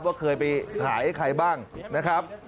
ว่าเคยไปหาให้ใครบ้างนะครับ